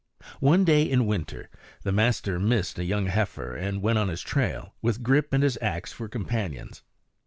One day in winter the master missed a young heifer and went on his trail, with Grip and his axe for companions.